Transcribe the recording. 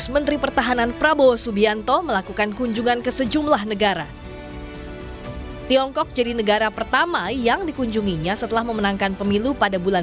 memperkuat hubungan dengan china ke depan